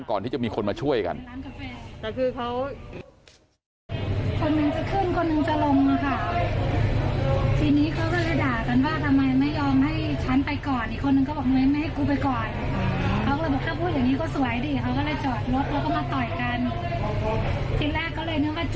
ก่อนที่จะมีคนมาช่วยกันแต่คือเขา